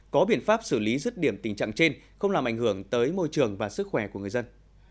có biện pháp xử lý rứt điểm tình trạng trên không làm ảnh hưởng tới môi trường và sức khỏe của người dân